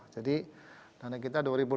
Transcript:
jadi dana kita di mana